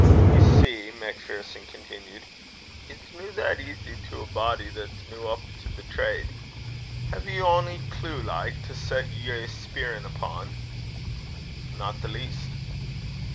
"Ye see," MacPherson continued, "it's no that easy to a body that's no up to the trade. Hae ye ony clue like, to set ye spierin' upo'?" "Not the least."